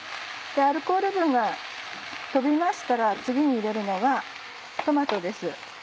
アルコール分が飛びましたら次に入れるのはトマトです。